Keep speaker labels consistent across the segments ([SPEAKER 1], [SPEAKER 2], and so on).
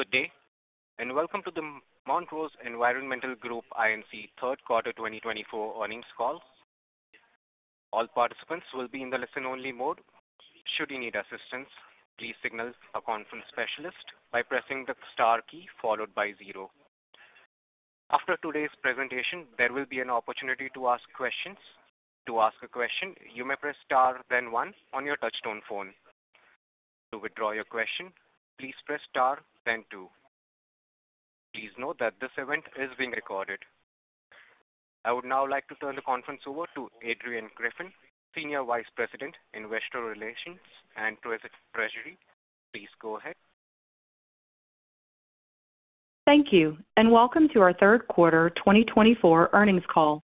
[SPEAKER 1] Good day, and welcome to the Montrose Environmental Group Inc. third quarter 2024 earnings call. All participants will be in the listen-only mode. Should you need assistance, please signal a conference specialist by pressing the star key followed by zero. After today's presentation, there will be an opportunity to ask questions. To ask a question, you may press star then one on your touch-tone phone. To withdraw your question, please press star then two. Please note that this event is being recorded. I would now like to turn the conference over to Adrian Griffin, Senior Vice President in Investor Relations and Treasury. Please go ahead.
[SPEAKER 2] Thank you, and welcome to our third quarter 2024 earnings call.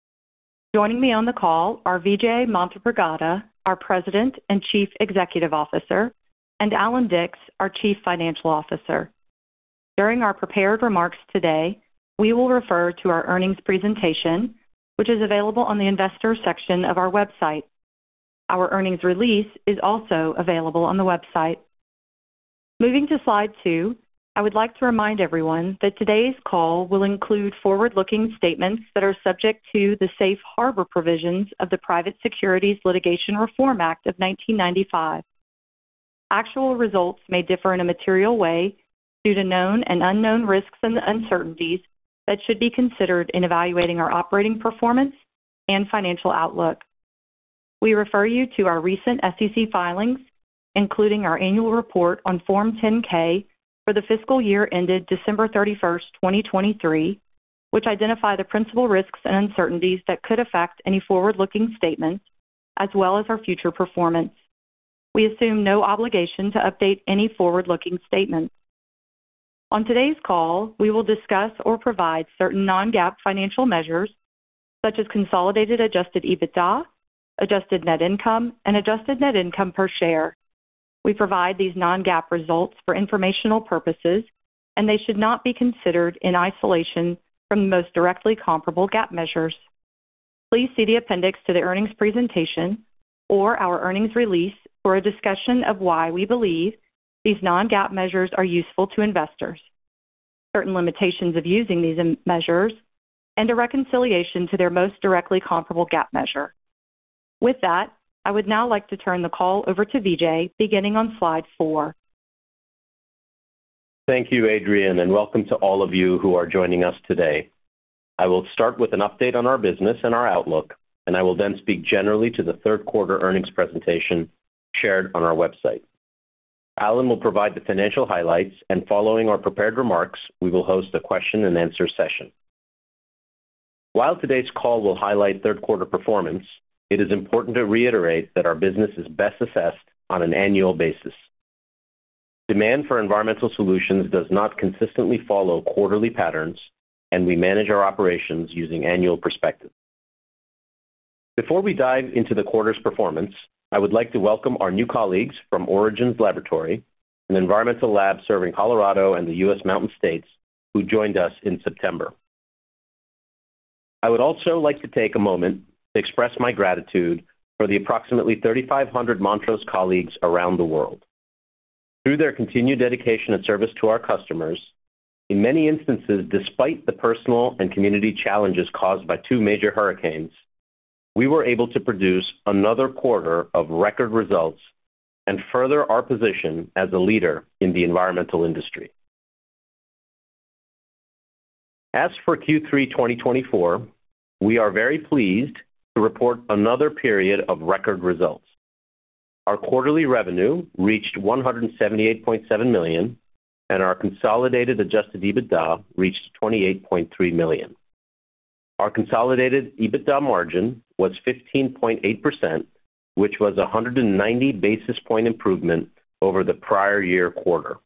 [SPEAKER 2] Joining me on the call are Vijay Manthripragada, our President and Chief Executive Officer, and Allan Dicks, our Chief Financial Officer. During our prepared remarks today, we will refer to our earnings presentation, which is available on the investor section of our website. Our earnings release is also available on the website. Moving to slide two, I would like to remind everyone that today's call will include forward-looking statements that are subject to the Safe Harbor provisions of the Private Securities Litigation Reform Act of 1995. Actual results may differ in a material way due to known and unknown risks and uncertainties that should be considered in evaluating our operating performance and financial outlook. We refer you to our recent SEC filings, including our annual report on Form 10-K for the fiscal year ended December 31st, 2023, which identify the principal risks and uncertainties that could affect any forward-looking statements, as well as our future performance. We assume no obligation to update any forward-looking statements. On today's call, we will discuss or provide certain non-GAAP financial measures, such as consolidated adjusted EBITDA, adjusted net income, and adjusted net income per share. We provide these non-GAAP results for informational purposes, and they should not be considered in isolation from the most directly comparable GAAP measures. Please see the appendix to the earnings presentation or our earnings release for a discussion of why we believe these non-GAAP measures are useful to investors, certain limitations of using these measures, and a reconciliation to their most directly comparable GAAP measure. With that, I would now like to turn the call over to Vijay, beginning on slide four.
[SPEAKER 3] Thank you, Adrian, and welcome to all of you who are joining us today. I will start with an update on our business and our outlook, and I will then speak generally to the third quarter earnings presentation shared on our website. Allan will provide the financial highlights, and following our prepared remarks, we will host a question-and-answer session. While today's call will highlight third quarter performance, it is important to reiterate that our business is best assessed on an annual basis. Demand for environmental solutions does not consistently follow quarterly patterns, and we manage our operations using annual perspective. Before we dive into the quarter's performance, I would like to welcome our new colleagues from Origins Laboratory, an environmental lab serving Colorado and the U.S. Mountain States, who joined us in September. I would also like to take a moment to express my gratitude for the approximately 3,500 Montrose colleagues around the world. Through their continued dedication and service to our customers, in many instances, despite the personal and community challenges caused by two major hurricanes, we were able to produce another quarter of record results and further our position as a leader in the environmental industry. As for Q3 2024, we are very pleased to report another period of record results. Our quarterly revenue reached $178.7 million, and our consolidated adjusted EBITDA reached $28.3 million. Our consolidated EBITDA margin was 15.8%, which was a 190 basis point improvement over the prior year quarter.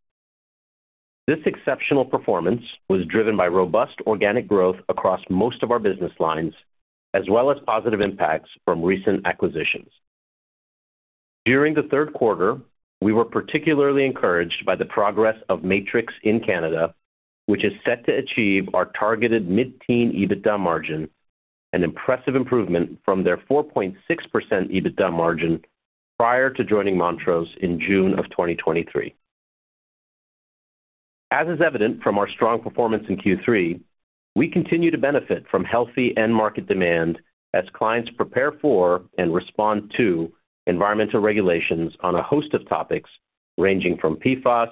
[SPEAKER 3] This exceptional performance was driven by robust organic growth across most of our business lines, as well as positive impacts from recent acquisitions. During the third quarter, we were particularly encouraged by the progress of Matrix Inc., which is set to achieve our targeted mid-teen EBITDA margin, an impressive improvement from their 4.6% EBITDA margin prior to joining Montrose in June of 2023. As is evident from our strong performance in Q3, we continue to benefit from healthy end-market demand as clients prepare for and respond to environmental regulations on a host of topics ranging from PFAS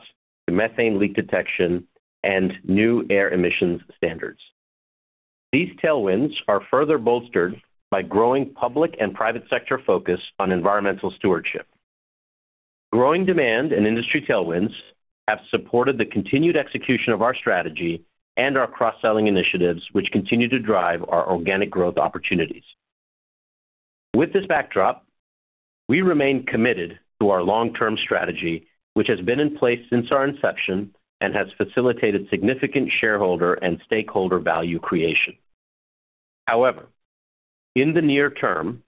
[SPEAKER 3] to methane leak detection and new air emissions standards. These tailwinds are further bolstered by growing public and private sector focus on environmental stewardship. Growing demand and industry tailwinds have supported the continued execution of our strategy and our cross-selling initiatives, which continue to drive our organic growth opportunities. With this backdrop, we remain committed to our long-term strategy, which has been in place since our inception and has facilitated significant shareholder and stakeholder value creation. However, in the near term,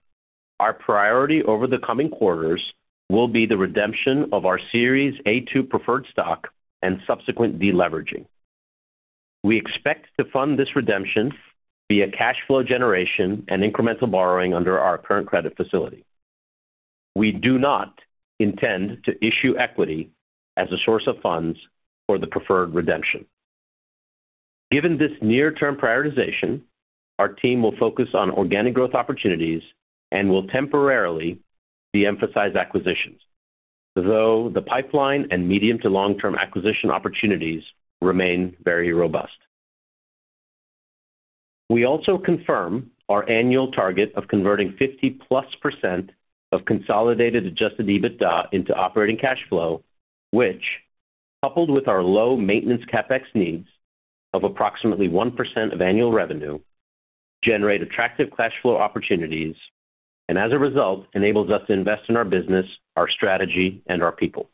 [SPEAKER 3] our priority over the coming quarters will be the redemption of our Series A2 preferred stock and subsequent deleveraging. We expect to fund this redemption via cash flow generation and incremental borrowing under our current credit facility. We do not intend to issue equity as a source of funds for the preferred redemption. Given this near-term prioritization, our team will focus on organic growth opportunities and will temporarily de-emphasize acquisitions, though the pipeline and medium to long-term acquisition opportunities remain very robust. We also confirm our annual target of converting 50-plus% of Consolidated Adjusted EBITDA into operating cash flow, which, coupled with our low maintenance CapEx needs of approximately 1% of annual revenue, generate attractive cash flow opportunities and, as a result, enables us to invest in our business, our strategy, and our people.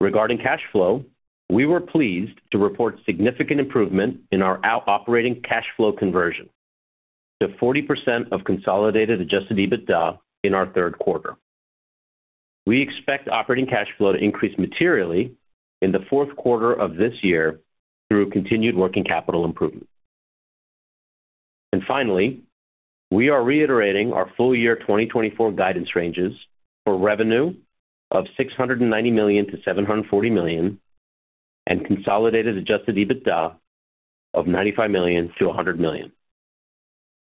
[SPEAKER 3] Regarding cash flow, we were pleased to report significant improvement in our operating cash flow conversion to 40% of consolidated adjusted EBITDA in our third quarter. We expect operating cash flow to increase materially in the fourth quarter of this year through continued working capital improvement. And finally, we are reiterating our full year 2024 guidance ranges for revenue of $690 million-$740 million and consolidated adjusted EBITDA of $95 million-$100 million.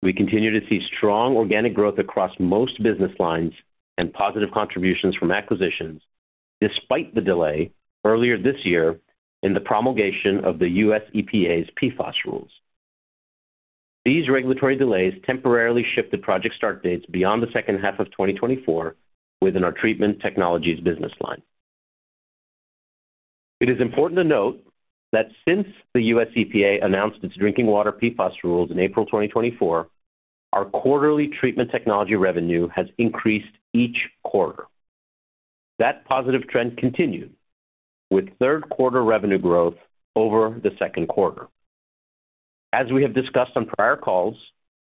[SPEAKER 3] We continue to see strong organic growth across most business lines and positive contributions from acquisitions, despite the delay earlier this year in the promulgation of the U.S. EPA's PFAS rules. These regulatory delays temporarily shifted project start dates beyond the second half of 2024 within our treatment technologies business line. It is important to note that since the U.S. EPA announced its drinking water PFAS rules in April 2024. Our quarterly treatment technology revenue has increased each quarter. That positive trend continued, with third quarter revenue growth over the second quarter. As we have discussed on prior calls,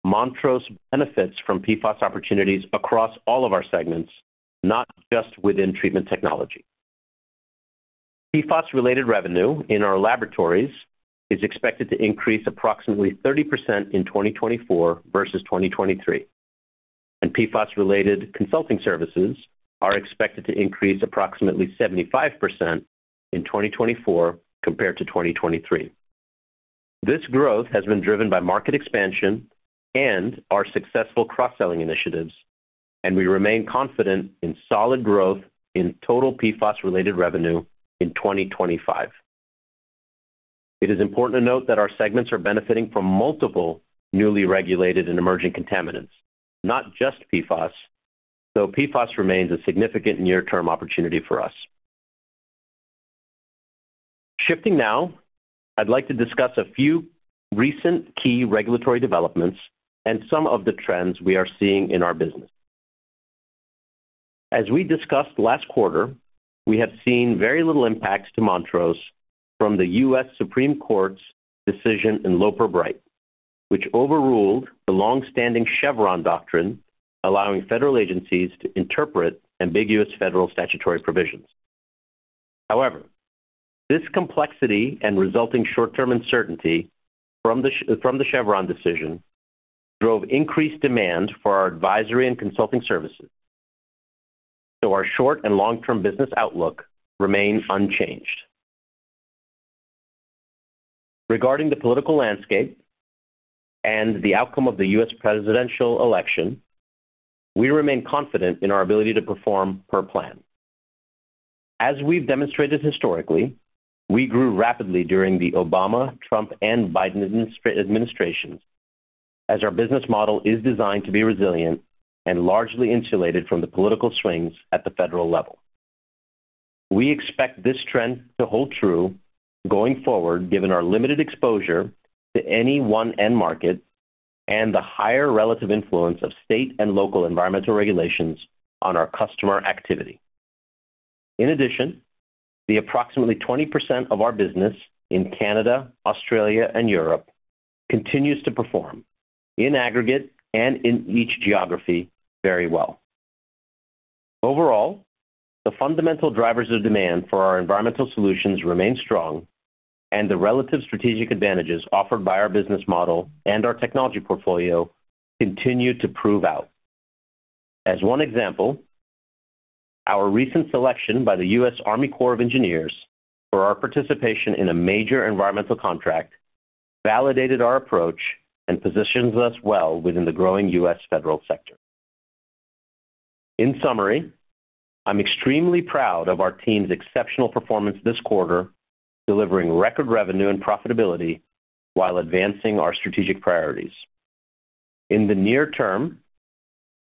[SPEAKER 3] Montrose benefits from PFAS opportunities across all of our segments, not just within treatment technology. PFAS-related revenue in our laboratories is expected to increase approximately 30% in 2024 versus 2023, and PFAS-related consulting services are expected to increase approximately 75% in 2024 compared to 2023. This growth has been driven by market expansion and our successful cross-selling initiatives, and we remain confident in solid growth in total PFAS-related revenue in 2025. It is important to note that our segments are benefiting from multiple newly regulated and emerging contaminants, not just PFAS, though PFAS remains a significant near-term opportunity for us. Shifting now, I'd like to discuss a few recent key regulatory developments and some of the trends we are seeing in our business. As we discussed last quarter, we have seen very little impact to Montrose from the U.S. Supreme Court's decision in Loper Bright, which overruled the long-standing Chevron doctrine, allowing federal agencies to interpret ambiguous federal statutory provisions. However, this complexity and resulting short-term uncertainty from the Chevron decision drove increased demand for our advisory and consulting services, so our short and long-term business outlook remains unchanged. Regarding the political landscape and the outcome of the U.S. presidential election, we remain confident in our ability to perform per plan. As we've demonstrated historically, we grew rapidly during the Obama, Trump, and Biden administrations, as our business model is designed to be resilient and largely insulated from the political swings at the federal level. We expect this trend to hold true going forward, given our limited exposure to any one end market and the higher relative influence of state and local environmental regulations on our customer activity. In addition, the approximately 20% of our business in Canada, Australia, and Europe continues to perform, in aggregate and in each geography, very well. Overall, the fundamental drivers of demand for our environmental solutions remain strong, and the relative strategic advantages offered by our business model and our technology portfolio continue to prove out. As one example, our recent selection by the U.S. Army Corps of Engineers for our participation in a major environmental contract validated our approach and positions us well within the growing U.S. federal sector. In summary, I'm extremely proud of our team's exceptional performance this quarter, delivering record revenue and profitability while advancing our strategic priorities. In the near term,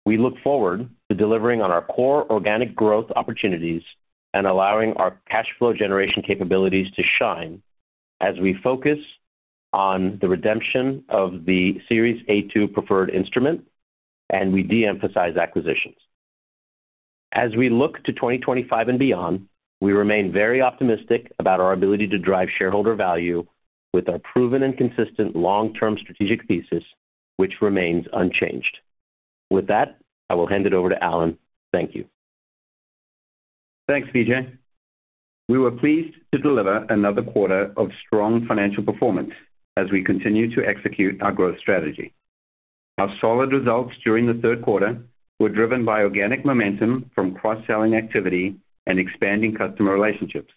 [SPEAKER 3] we look forward to delivering on our core organic growth opportunities and allowing our cash flow generation capabilities to shine as we focus on the redemption of the Series A2 preferred instrument and we de-emphasize acquisitions. As we look to 2025 and beyond, we remain very optimistic about our ability to drive shareholder value with our proven and consistent long-term strategic thesis, which remains unchanged. With that, I will hand it over to Allan. Thank you.
[SPEAKER 4] Thanks, Vijay. We were pleased to deliver another quarter of strong financial performance as we continue to execute our growth strategy. Our solid results during the third quarter were driven by organic momentum from cross-selling activity and expanding customer relationships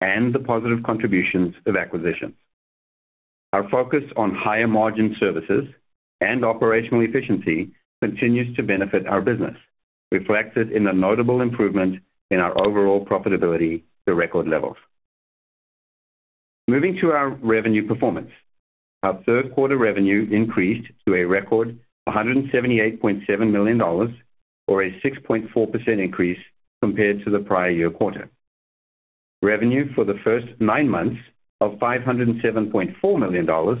[SPEAKER 4] and the positive contributions of acquisitions. Our focus on higher margin services and operational efficiency continues to benefit our business, reflected in a notable improvement in our overall profitability to record levels. Moving to our revenue performance, our third quarter revenue increased to a record $178.7 million, or a 6.4% increase compared to the prior year quarter. Revenue for the first nine months of $507.4 million was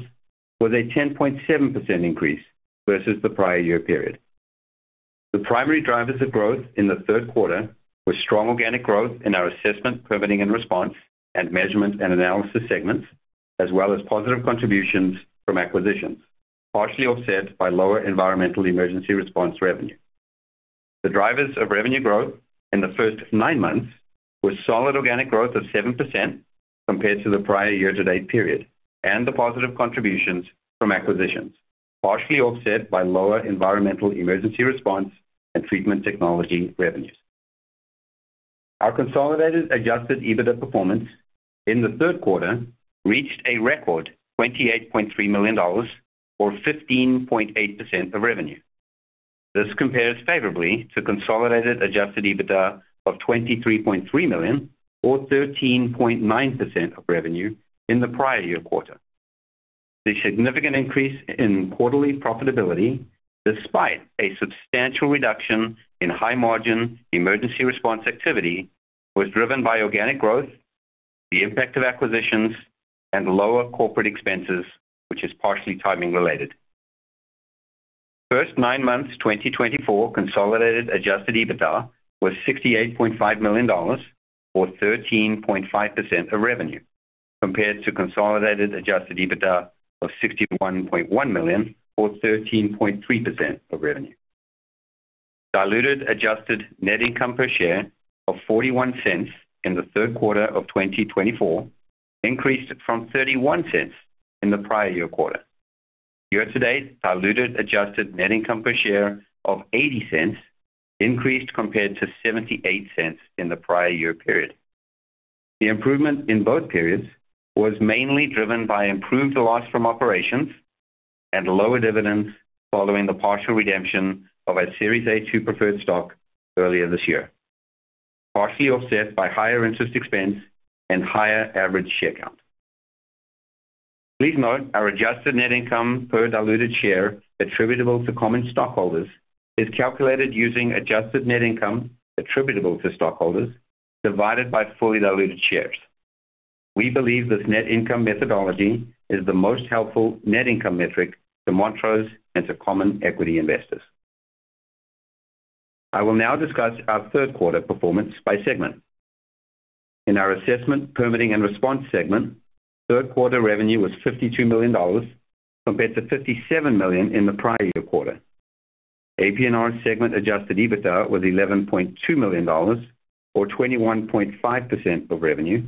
[SPEAKER 4] a 10.7% increase versus the prior year period. The primary drivers of growth in the third quarter were strong organic growth in our assessment, permitting, and response and measurement and analysis segments, as well as positive contributions from acquisitions, partially offset by lower environmental emergency response revenue. The drivers of revenue growth in the first nine months were solid organic growth of 7% compared to the prior year-to-date period and the positive contributions from acquisitions, partially offset by lower environmental emergency response and treatment technology revenues. Our Consolidated Adjusted EBITDA performance in the third quarter reached a record $28.3 million, or 15.8% of revenue. This compares favorably to Consolidated Adjusted EBITDA of $23.3 million, or 13.9% of revenue in the prior year quarter. The significant increase in quarterly profitability, despite a substantial reduction in high-margin emergency response activity, was driven by organic growth, the impact of acquisitions, and lower corporate expenses, which is partially timing related. First nine months 2024 Consolidated Adjusted EBITDA was $68.5 million, or 13.5% of revenue, compared to Consolidated Adjusted EBITDA of $61.1 million, or 13.3% of revenue. Diluted Adjusted Net Income per share of $0.41 in the third quarter of 2024 increased from $0.31 in the prior year quarter. Year-to-date diluted Adjusted Net Income per share of $0.80 increased compared to $0.78 in the prior year period. The improvement in both periods was mainly driven by improved loss from operations and lower dividends following the partial redemption of our Series A2 preferred stock earlier this year, partially offset by higher interest expense and higher average share count. Please note our Adjusted Net Income per diluted share attributable to common stockholders is calculated using Adjusted Net Income attributable to stockholders divided by fully diluted shares. We believe this net income methodology is the most helpful net income metric to Montrose and to common equity investors. I will now discuss our third quarter performance by segment. In our assessment, permitting, and response segment, third quarter revenue was $52 million compared to $57 million in the prior year quarter. AP&R segment Adjusted EBITDA was $11.2 million, or 21.5% of revenue,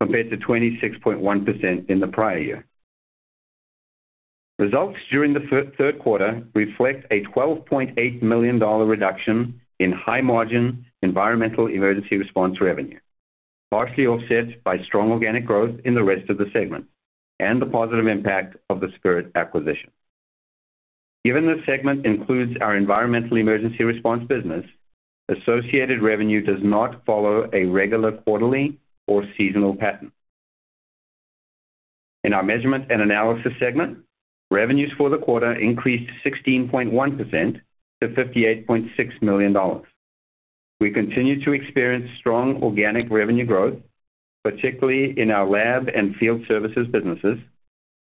[SPEAKER 4] compared to 26.1% in the prior year. Results during the third quarter reflect a $12.8 million reduction in high-margin environmental emergency response revenue, partially offset by strong organic growth in the rest of the segment and the positive impact of the Spirit acquisition. Given this segment includes our environmental emergency response business, associated revenue does not follow a regular quarterly or seasonal pattern. In our measurement and analysis segment, revenues for the quarter increased 16.1% to $58.6 million. We continue to experience strong organic revenue growth, particularly in our lab and field services businesses,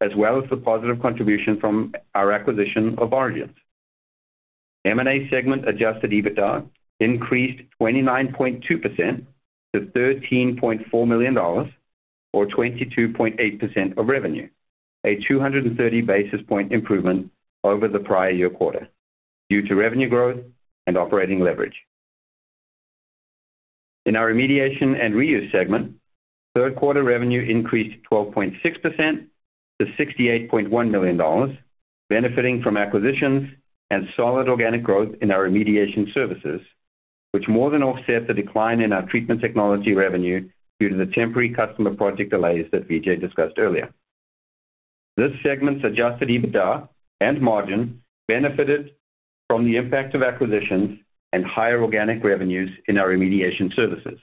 [SPEAKER 4] as well as the positive contribution from our acquisition of Origins. M&A segment Adjusted EBITDA increased 29.2% to $13.4 million, or 22.8% of revenue, a 230 basis point improvement over the prior year quarter due to revenue growth and operating leverage. In our remediation and reuse segment, third quarter revenue increased 12.6% to $68.1 million, benefiting from acquisitions and solid organic growth in our remediation services, which more than offset the decline in our treatment technology revenue due to the temporary customer project delays that Vijay discussed earlier. This segment's Adjusted EBITDA and margin benefited from the impact of acquisitions and higher organic revenues in our remediation services,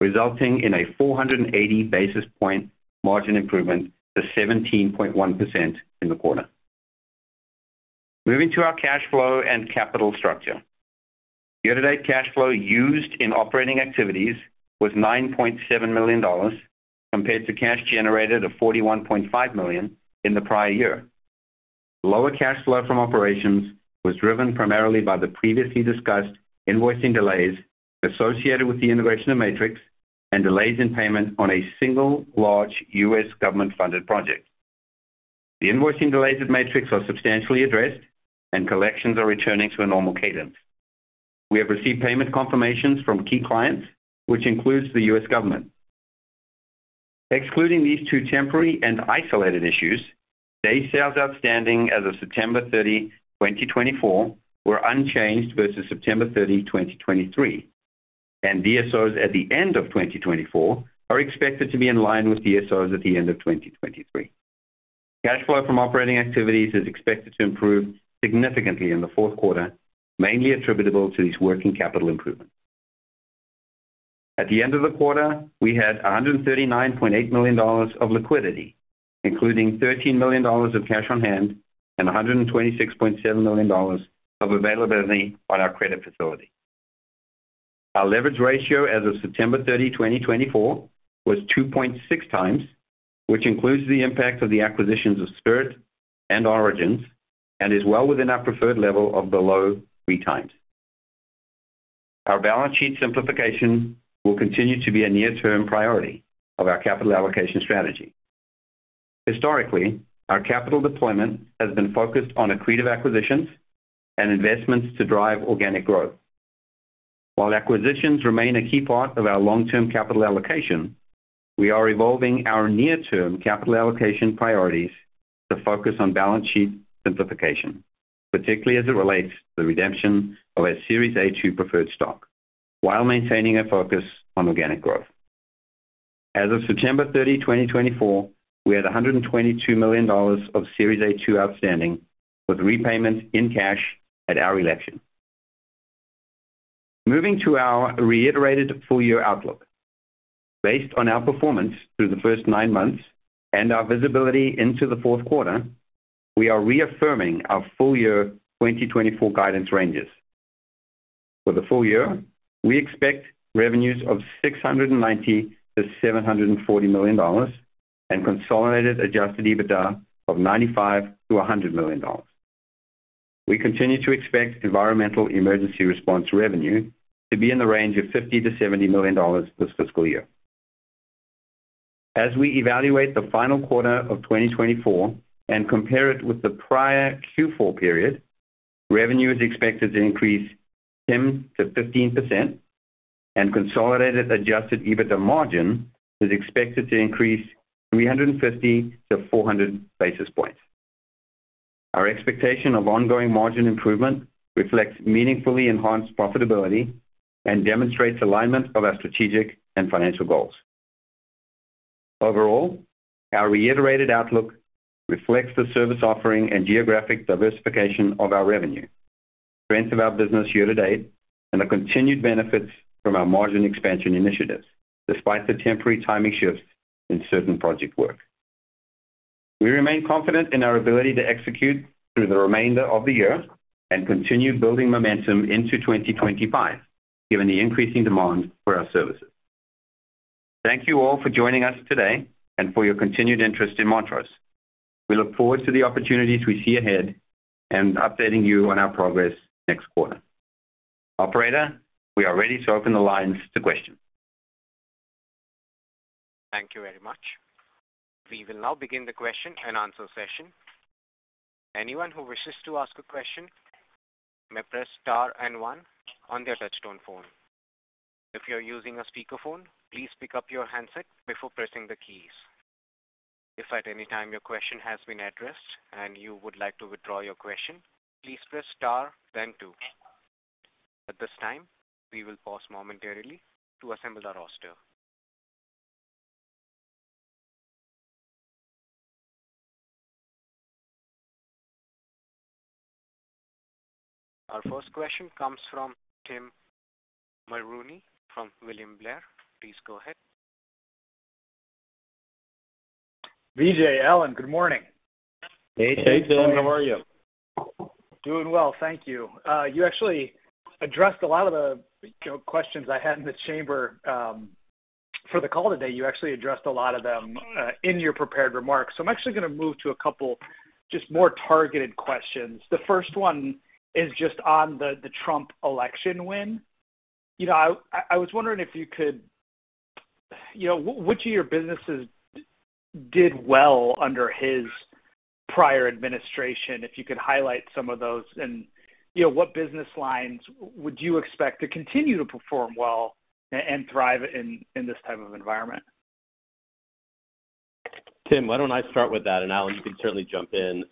[SPEAKER 4] resulting in a 480 basis point margin improvement to 17.1% in the quarter. Moving to our cash flow and capital structure. Year-to-date cash flow used in operating activities was $9.7 million compared to cash generated of $41.5 million in the prior year. Lower cash flow from operations was driven primarily by the previously discussed invoicing delays associated with the integration of Matrix and delays in payment on a single large U.S. government-funded project. The invoicing delays at Matrix are substantially addressed, and collections are returning to a normal cadence. We have received payment confirmations from key clients, which includes the U.S. government. Excluding these two temporary and isolated issues, day sales outstanding as of September 30, 2024, were unchanged versus September 30, 2023, and DSOs at the end of 2024 are expected to be in line with DSOs at the end of 2023. Cash flow from operating activities is expected to improve significantly in the fourth quarter, mainly attributable to these working capital improvements. At the end of the quarter, we had $139.8 million of liquidity, including $13 million of cash on hand and $126.7 million of availability on our credit facility. Our leverage ratio as of September 30, 2024, was 2.6 times, which includes the impact of the acquisitions of Spirit and Origins, and is well within our preferred level of below three times. Our balance sheet simplification will continue to be a near-term priority of our capital allocation strategy. Historically, our capital deployment has been focused on accretive acquisitions and investments to drive organic growth. While acquisitions remain a key part of our long-term capital allocation, we are evolving our near-term capital allocation priorities to focus on balance sheet simplification, particularly as it relates to the redemption of our Series A2 preferred stock, while maintaining a focus on organic growth. As of September 30, 2024, we had $122 million of Series A2 outstanding, with repayment in cash at our election. Moving to our reiterated full-year outlook. Based on our performance through the first nine months and our visibility into the fourth quarter, we are reaffirming our full-year 2024 guidance ranges. For the full year, we expect revenues of $690-$740 million and consolidated Adjusted EBITDA of $95-$100 million. We continue to expect environmental emergency response revenue to be in the range of $50-$70 million this fiscal year. As we evaluate the final quarter of 2024 and compare it with the prior Q4 period, revenue is expected to increase 10%-15%, and consolidated Adjusted EBITDA margin is expected to increase 350-400 basis points. Our expectation of ongoing margin improvement reflects meaningfully enhanced profitability and demonstrates alignment of our strategic and financial goals. Overall, our reiterated outlook reflects the service offering and geographic diversification of our revenue, strength of our business year-to-date, and the continued benefits from our margin expansion initiatives, despite the temporary timing shifts in certain project work. We remain confident in our ability to execute through the remainder of the year and continue building momentum into 2025, given the increasing demand for our services. Thank you all for joining us today and for your continued interest in Montrose. We look forward to the opportunities we see ahead and updating you on our progress next quarter. Operator, we are ready to open the lines to questions.
[SPEAKER 1] Thank you very much. We will now begin the question and answer session. Anyone who wishes to ask a question may press star and one on their touch-tone phone. If you're using a speakerphone, please pick up your handset before pressing the keys. If at any time your question has been addressed and you would like to withdraw your question, please press star, then two. At this time, we will pause momentarily to assemble our roster. Our first question comes from Tim Mulrooney from William Blair. Please go ahead.
[SPEAKER 5] Vijay, Allan, good morning.
[SPEAKER 3] Hey, Tim. How are you?
[SPEAKER 5] Doing well. Thank you. You actually addressed a lot of the questions I had in the chamber for the call today. You actually addressed a lot of them in your prepared remarks. So I'm actually going to move to a couple just more targeted questions. The first one is just on the Trump election win. I was wondering if you could which of your businesses did well under his prior administration, if you could highlight some of those, and what business lines would you expect to continue to perform well and thrive in this type of environment?
[SPEAKER 3] Tim, why don't I start with that, and Allan, you can certainly jump in.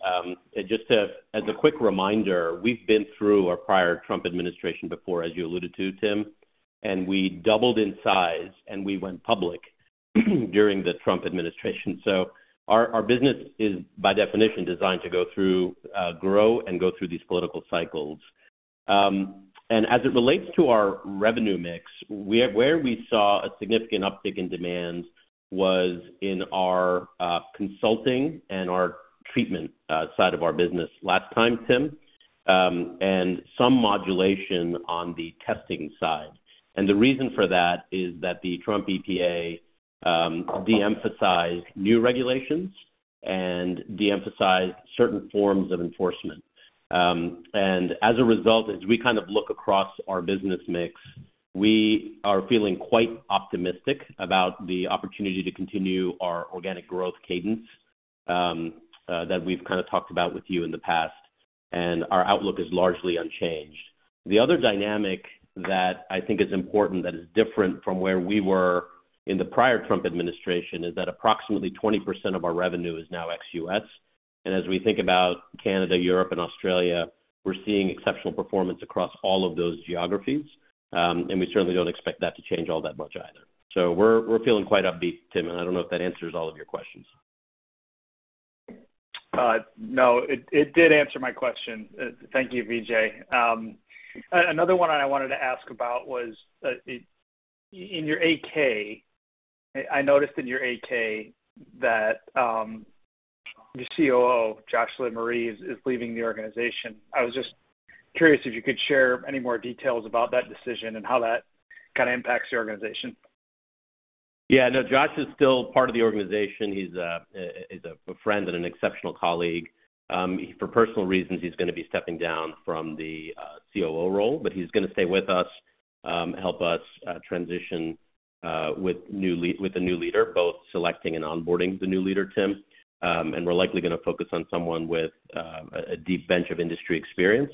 [SPEAKER 3] Just as a quick reminder, we've been through our prior Trump administration before, as you alluded to, Tim, and we doubled in size and we went public during the Trump administration, so our business is, by definition, designed to go through, grow, and go through these political cycles. And as it relates to our revenue mix, where we saw a significant uptick in demand was in our consulting and our treatment side of our business last time, Tim, and some modulation on the testing side, and the reason for that is that the Trump EPA de-emphasized new regulations and de-emphasized certain forms of enforcement. As a result, as we kind of look across our business mix, we are feeling quite optimistic about the opportunity to continue our organic growth cadence that we've kind of talked about with you in the past, and our outlook is largely unchanged. The other dynamic that I think is important that is different from where we were in the prior Trump administration is that approximately 20% of our revenue is now ex-US. As we think about Canada, Europe, and Australia, we're seeing exceptional performance across all of those geographies, and we certainly don't expect that to change all that much either. We're feeling quite upbeat, Tim, and I don't know if that answers all of your questions.
[SPEAKER 5] No, it did answer my question. Thank you, Vijay. Another one I wanted to ask about was in your 10-K, I noticed in your 10-K that your COO, Joshua LeMaire, is leaving the organization. I was just curious if you could share any more details about that decision and how that kind of impacts your organization.
[SPEAKER 3] Yeah. No, Josh is still part of the organization. He's a friend and an exceptional colleague. For personal reasons, he's going to be stepping down from the COO role, but he's going to stay with us, help us transition with a new leader, both selecting and onboarding the new leader, Tim, and we're likely going to focus on someone with a deep bench of industry experience.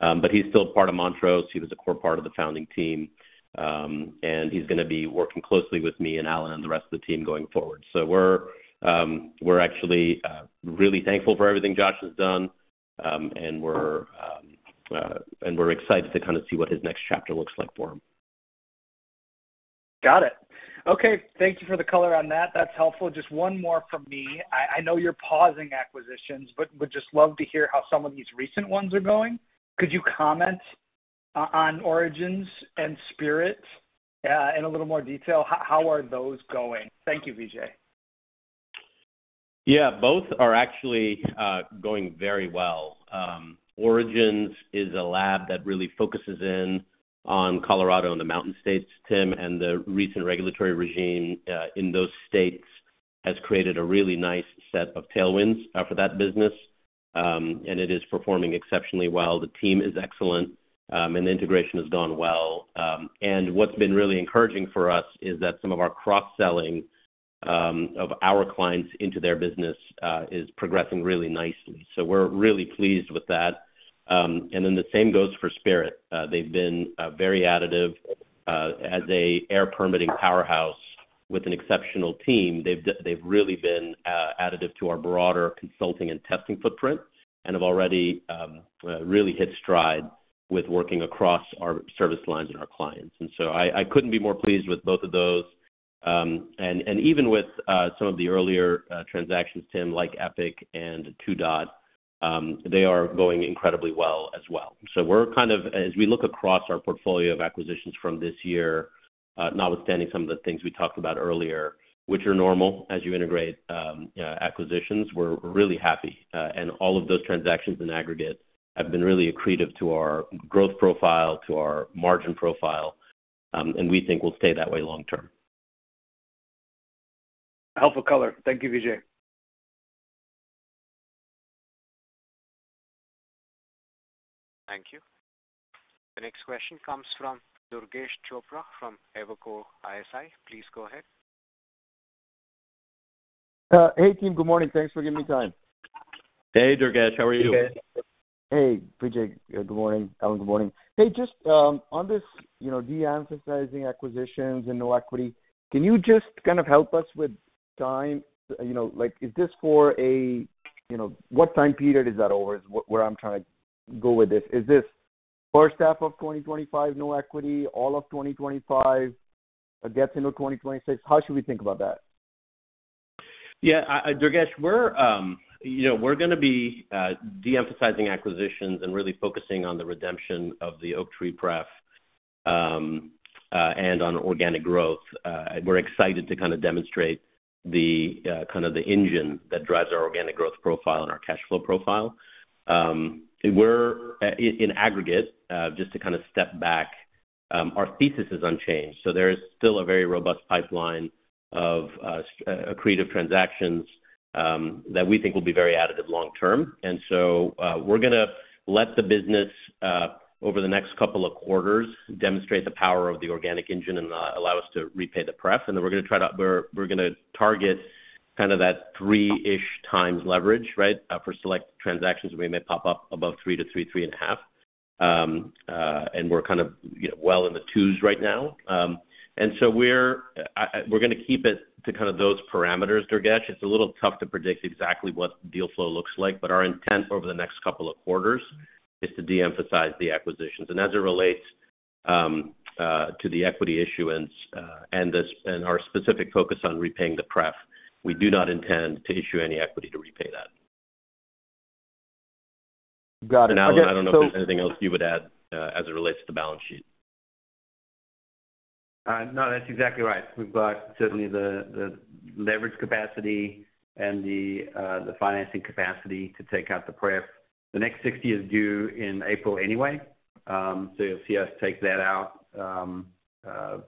[SPEAKER 3] But he's still part of Montrose. He was a core part of the founding team, and he's going to be working closely with me and Allan and the rest of the team going forward. So we're actually really thankful for everything Josh has done, and we're excited to kind of see what his next chapter looks like for him.
[SPEAKER 5] Got it. Okay. Thank you for the color on that. That's helpful. Just one more from me. I know you're pausing acquisitions, but would just love to hear how some of these recent ones are going. Could you comment on Origins and Spirit in a little more detail? How are those going? Thank you, Vijay.
[SPEAKER 3] Yeah. Both are actually going very well. Origins is a lab that really focuses in on Colorado and the mountain states, Tim, and the recent regulatory regime in those states has created a really nice set of tailwinds for that business, and it is performing exceptionally well. The team is excellent, and the integration has gone well. And what's been really encouraging for us is that some of our cross-selling of our clients into their business is progressing really nicely. So we're really pleased with that. And then the same goes for Spirit. They've been very additive as an air permitting powerhouse with an exceptional team. They've really been additive to our broader consulting and testing footprint and have already really hit stride with working across our service lines and our clients. And so I couldn't be more pleased with both of those. And even with some of the earlier transactions, Tim, like Epic and Two Dot, they are going incredibly well as well. So we're kind of, as we look across our portfolio of acquisitions from this year, notwithstanding some of the things we talked about earlier, which are normal as you integrate acquisitions, we're really happy. And all of those transactions in aggregate have been really accretive to our growth profile, to our margin profile, and we think we'll stay that way long term.
[SPEAKER 5] Helpful color. Thank you, Vijay.
[SPEAKER 1] Thank you. The next question comes from Durgesh Chopra from Evercore ISI. Please go ahead.
[SPEAKER 6] Hey, Tim. Good morning. Thanks for giving me time.
[SPEAKER 3] Hey, Durgesh. How are you?
[SPEAKER 6] Hey, Vijay. Good morning. Allan, good morning. Hey, just on this de-emphasizing acquisitions and no equity, can you just kind of help us with time? Is this for a what time period is that over is what I'm trying to go with this? Is this first half of 2025, no equity, all of 2025, gets into 2026? How should we think about that?
[SPEAKER 3] Yeah. Durgesh, we're going to be de-emphasizing acquisitions and really focusing on the redemption of the Oaktree pref and on organic growth. We're excited to kind of demonstrate the kind of the engine that drives our organic growth profile and our cash flow profile. In aggregate, just to kind of step back, our thesis is unchanged. So there is still a very robust pipeline of accretive transactions that we think will be very additive long term. And so we're going to let the business, over the next couple of quarters, demonstrate the power of the organic engine and allow us to repay the pref. And then we're going to target kind of that three-ish times leverage, right, for select transactions. We may pop up above three to three and a half. And we're kind of well in the twos right now. And so we're going to keep it to kind of those parameters, Durgesh. It's a little tough to predict exactly what deal flow looks like, but our intent over the next couple of quarters is to de-emphasize the acquisitions. And as it relates to the equity issuance and our specific focus on repaying the prep, we do not intend to issue any equity to repay that.
[SPEAKER 5] Got it.
[SPEAKER 3] Allan, I don't know if there's anything else you would add as it relates to the balance sheet.
[SPEAKER 6] No, that's exactly right. We've got certainly the leverage capacity and the financing capacity to take out the prep. The next $60 million is due in April anyway, so you'll see us take that out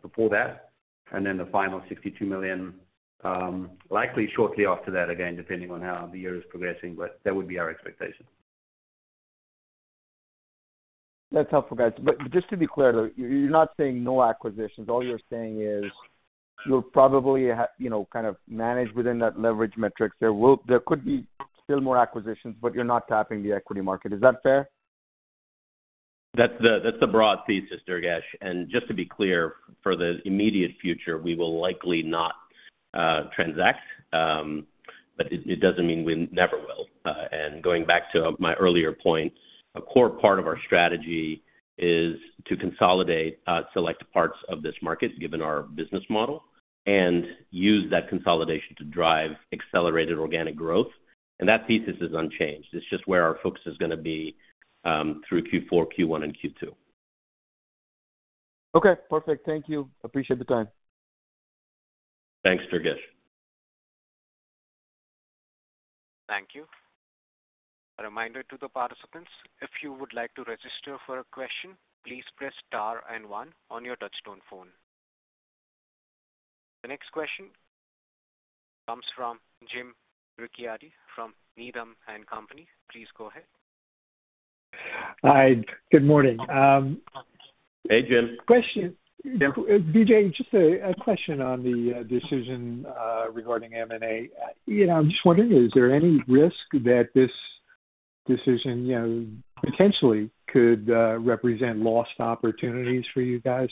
[SPEAKER 6] before that. And then the final $62 million, likely shortly after that again, depending on how the year is progressing, but that would be our expectation.
[SPEAKER 5] That's helpful, guys. But just to be clear, though, you're not saying no acquisitions. All you're saying is you'll probably kind of manage within that leverage metric there. There could be still more acquisitions, but you're not tapping the equity market. Is that fair?
[SPEAKER 3] That's the broad thesis, Durgesh. And just to be clear, for the immediate future, we will likely not transact, but it doesn't mean we never will. And going back to my earlier point, a core part of our strategy is to consolidate select parts of this market, given our business model, and use that consolidation to drive accelerated organic growth. And that thesis is unchanged. It's just where our focus is going to be through Q4, Q1, and Q2.
[SPEAKER 6] Okay. Perfect. Thank you. Appreciate the time.
[SPEAKER 3] Thanks, Durgesh.
[SPEAKER 1] Thank you. A reminder to the participants. If you would like to register for a question, please press star and one on your touch-tone phone. The next question comes from James Ricchiuti from Needham & Company. Please go ahead.
[SPEAKER 7] Hi.
[SPEAKER 8] Good morning.
[SPEAKER 3] Hey, Jim.
[SPEAKER 7] Question. Vijay, just a question on the decision regarding M&A. I'm just wondering, is there any risk that this decision potentially could represent lost opportunities for you guys?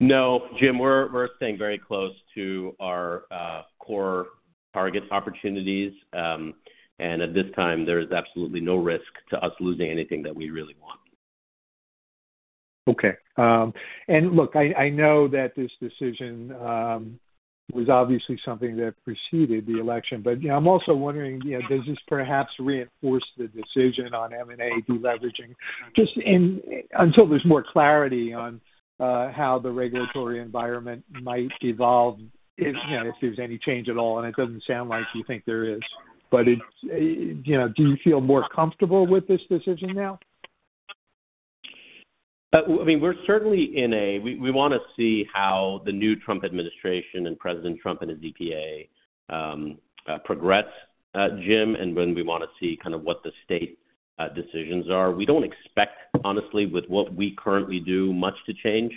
[SPEAKER 3] No. Jim, we're staying very close to our core target opportunities. And at this time, there is absolutely no risk to us losing anything that we really want.
[SPEAKER 7] Okay. And look, I know that this decision was obviously something that preceded the election, but I'm also wondering, does this perhaps reinforce the decision on M&A deleveraging just until there's more clarity on how the regulatory environment might evolve if there's any change at all? And it doesn't sound like you think there is, but do you feel more comfortable with this decision now?
[SPEAKER 3] I mean, we're certainly in a we want to see how the new Trump administration and President Trump and his EPA progress, Jim, and then we want to see kind of what the state decisions are. We don't expect, honestly, with what we currently do, much to change,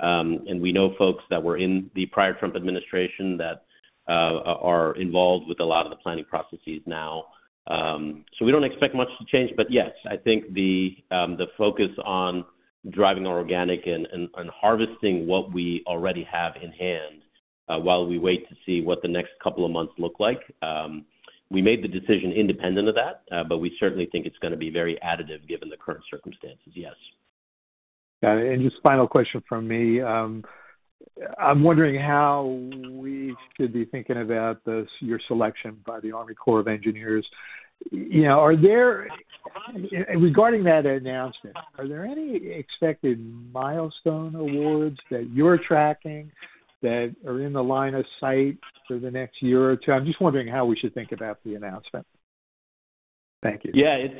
[SPEAKER 3] and we know folks that were in the prior Trump administration that are involved with a lot of the planning processes now, so we don't expect much to change, but yes, I think the focus on driving our organic and harvesting what we already have in hand while we wait to see what the next couple of months look like. We made the decision independent of that, but we certainly think it's going to be very additive given the current circumstances. Yes.
[SPEAKER 7] Got it. And just final question from me. I'm wondering how we should be thinking about your selection by the Army Corps of Engineers. Regarding that announcement, are there any expected milestone awards that you're tracking that are in the line of sight for the next year or two? I'm just wondering how we should think about the announcement. Thank you.
[SPEAKER 3] Yeah. It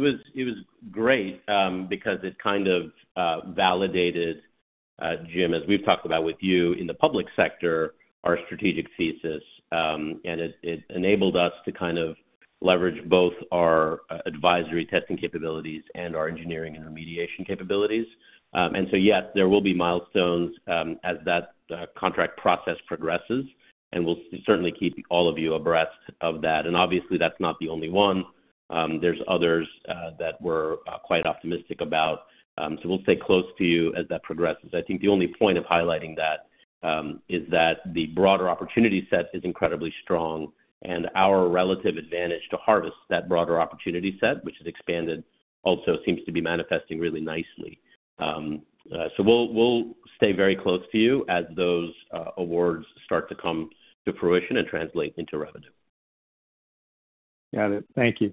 [SPEAKER 3] was great because it kind of validated, Jim, as we've talked about with you in the public sector, our strategic thesis, and it enabled us to kind of leverage both our advisory testing capabilities and our engineering and remediation capabilities. And so yes, there will be milestones as that contract process progresses, and we'll certainly keep all of you abreast of that. And obviously, that's not the only one. There's others that we're quite optimistic about. So we'll stay close to you as that progresses. I think the only point of highlighting that is that the broader opportunity set is incredibly strong, and our relative advantage to harvest that broader opportunity set, which is expanded, also seems to be manifesting really nicely. So we'll stay very close to you as those awards start to come to fruition and translate into revenue.
[SPEAKER 7] Got it. Thank you.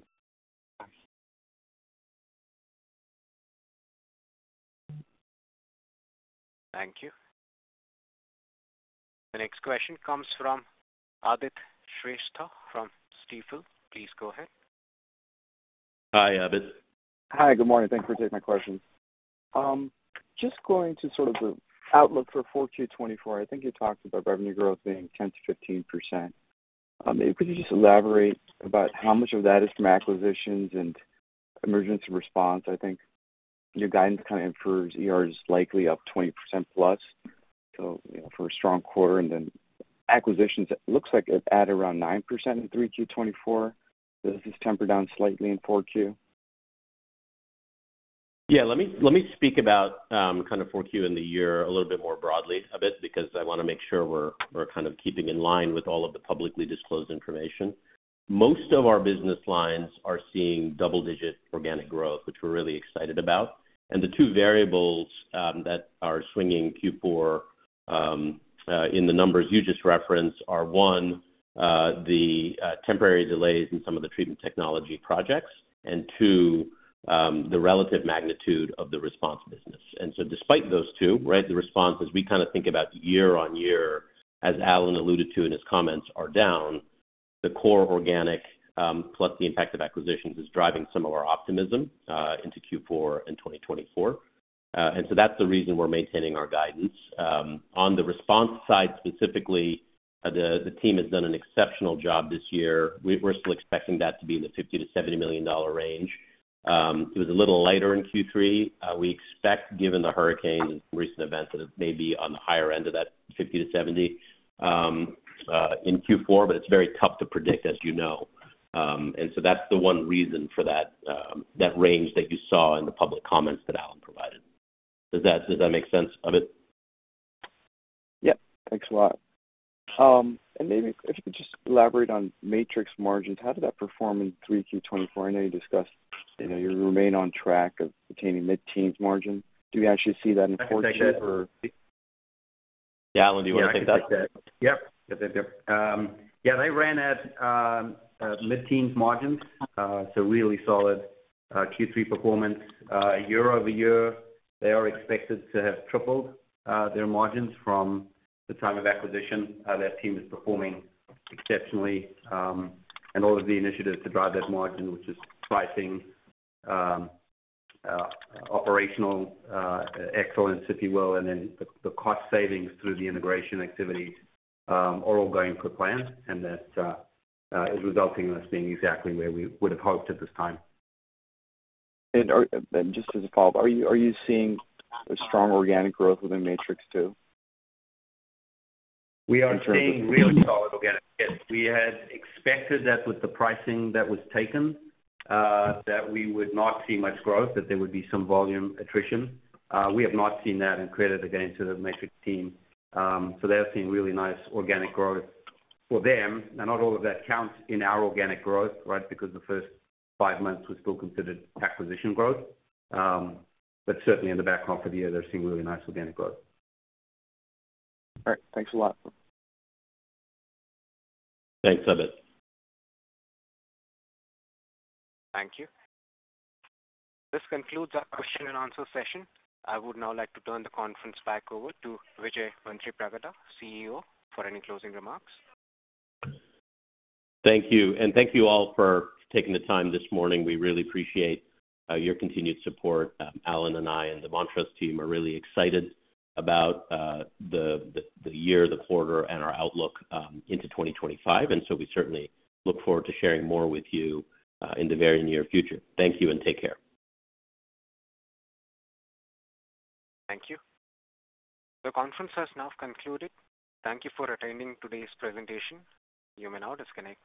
[SPEAKER 1] Thank you. The next question comes from from Aadit Shrestha Stifel. Please go ahead.
[SPEAKER 3] Hi, Aadit.
[SPEAKER 9] Hi. Good morning. Thanks for taking my questions. Just going to sort of the outlook for 4Q24, I think you talked about revenue growth being 10%-15%. Could you just elaborate about how much of that is from acquisitions and emergency response? I think your guidance kind of infers is likely up 20% plus, so for a strong quarter. And then acquisitions, it looks like it's at around 9% in 3Q24. Does this temper down slightly in 4Q?
[SPEAKER 3] Yeah. Let me speak about kind of 4Q and the year a little bit more broadly of it because I want to make sure we're kind of keeping in line with all of the publicly disclosed information. Most of our business lines are seeing double-digit organic growth, which we're really excited about. And the two variables that are swinging Q4 in the numbers you just referenced are, one, the temporary delays in some of the treatment technology projects, and two, the relative magnitude of the response business. And so despite those two, right, the response is we kind of think about year on year, as Allan alluded to in his comments, are down. The core organic, plus the impact of acquisitions, is driving some of our optimism into Q4 and 2024. And so that's the reason we're maintaining our guidance. On the response side specifically, the team has done an exceptional job this year. We're still expecting that to be in the $50 million-$70 million range. It was a little lighter in Q3. We expect, given the hurricane and recent events, that it may be on the higher end of that $50 million-$70 million in Q4, but it's very tough to predict, as you know. And so that's the one reason for that range that you saw in the public comments that Allan provided. Does that make sense of it?
[SPEAKER 9] Yep. Thanks a lot, and maybe if you could just elaborate on Matrix margins. How did that perform in 3Q24? I know you discussed you remain on track of attaining mid-teens margin. Do we actually see that in 4Q or?
[SPEAKER 3] Yeah. Allan, do you want to take that?
[SPEAKER 4] Yeah. They ran at mid-teens margins, so really solid Q3 performance. Year over year, they are expected to have tripled their margins from the time of acquisition. That team is performing exceptionally, and all of the initiatives to drive that margin, which is pricing, operational excellence, if you will, and then the cost savings through the integration activities are all going per plan, and that is resulting in us being exactly where we would have hoped at this time.
[SPEAKER 9] And just as a follow-up, are you seeing a strong organic growth within Matrix too in terms of?
[SPEAKER 4] We are seeing really solid organic. Yes. We had expected that with the pricing that was taken, that we would not see much growth, that there would be some volume attrition. We have not seen that and credit again to the Matrix team. So they are seeing really nice organic growth for them. Now, not all of that counts in our organic growth, right, because the first five months was still considered acquisition growth. But certainly, in the back half of the year, they're seeing really nice organic growth.
[SPEAKER 9] All right. Thanks a lot.
[SPEAKER 3] Thanks, Aadit.
[SPEAKER 1] Thank you. This concludes our question and answer session. I would now like to turn the conference back over to Vijay Manthripragada, CEO, for any closing remarks.
[SPEAKER 3] Thank you. And thank you all for taking the time this morning. We really appreciate your continued support. Allan and I and the Montrose team are really excited about the year, the quarter, and our outlook into 2025. And so we certainly look forward to sharing more with you in the very near future. Thank you and take care.
[SPEAKER 1] Thank you. The conference has now concluded. Thank you for attending today's presentation. You may now disconnect.